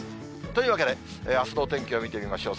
というわけで、あすのお天気を見てみましょう。